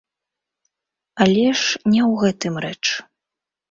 Але ж не ў гэтым рэч.